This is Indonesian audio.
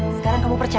sekarang kamu percaya